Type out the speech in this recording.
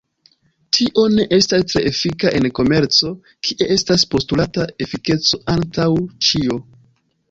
Tio ne estas tre efika en komerco, kie estas postulata efikeco antaŭ ĉio.